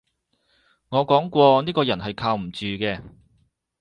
我講過呢個人係靠唔住嘅